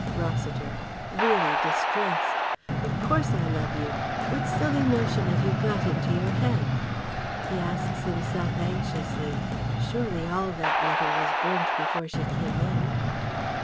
Rossiter (really distressed): "Of course I love you! What silly notion have you got into your head?" (He asks himself anxiously "Surely all that letter was burnt before she came in?")